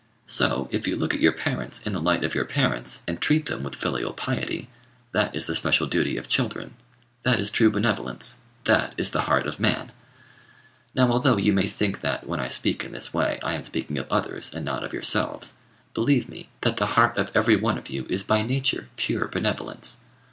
So, if you look at your parents in the light of your parents, and treat them with filial piety, that is the special duty of children; that is true benevolence; that is the heart of man. Now although you may think that, when I speak in this way, I am speaking of others, and not of yourselves, believe me that the heart of every one of you is by nature pure benevolence.